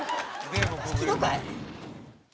引き戸かい！